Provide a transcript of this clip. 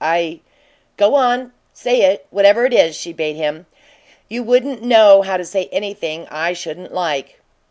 I " "Go on. Say it, whatever it is," she bade him. "You wouldn't know how to say anything I shouldn't like."